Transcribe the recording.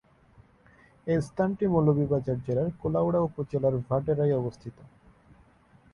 এই স্থানটি সিলেটের মৌলভীবাজার জেলার কুলাউড়া উপজেলার ভাটেরায় অবস্থিত।